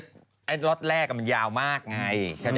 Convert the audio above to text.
อันนี้ก็รถแรกมันยาวมากไง